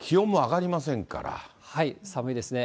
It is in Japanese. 寒いですね。